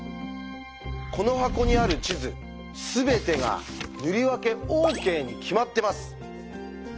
この箱にある地図全てが塗り分けＯＫに決まってます。